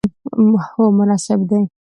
هو، مناسب دی